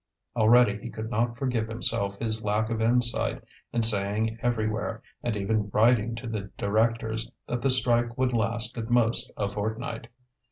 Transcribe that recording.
Already he could not forgive himself his lack of insight in saying everywhere, and even writing to the directors, that the strike would last at most a fortnight.